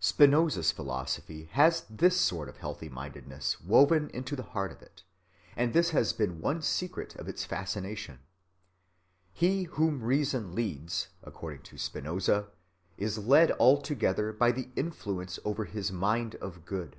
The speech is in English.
Spinoza's philosophy has this sort of healthy‐mindedness woven into the heart of it, and this has been one secret of its fascination. He whom Reason leads, according to Spinoza, is led altogether by the influence over his mind of good.